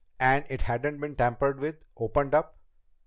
"And it hadn't been tampered with, opened up?"